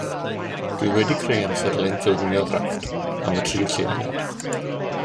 Dwi wedi creu amserlen ffilmio ddrafft am y tri lleoliad